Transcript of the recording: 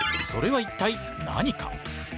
それは一体何か？